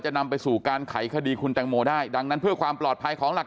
นำไปสู่การไขคดีคุณแตงโมได้ดังนั้นเพื่อความปลอดภัยของหลัก